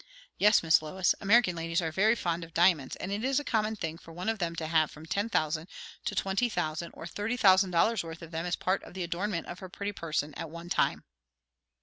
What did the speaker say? "Yes, Miss Lois. American ladies are very fond of diamonds; and it is a common thing for one of them to have from ten thousand to twenty thousand or thirty thousand dollars' worth of them as part of the adornment of her pretty person at one time."